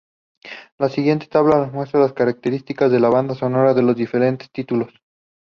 La siguiente tabla muestra las características de la banda sonora de los diferentes títulos.